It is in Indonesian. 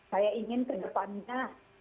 saya ingin ke depannya